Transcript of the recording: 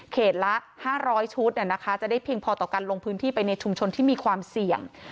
เขตละห้าร้อยชุดเนี่ยนะคะจะได้เพียงพอต่อกันลงพื้นที่ไปในชุมชนที่มีความเสี่ยง